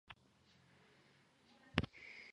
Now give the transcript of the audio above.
ცხოვრობენ აღმოსავლეთ შვეიცარიის და იტალიის ტიროლში.